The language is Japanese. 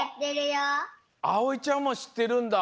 あおいちゃんもしってるんだ。